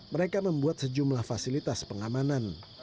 mereka membuat sejumlah fasilitas pengamanan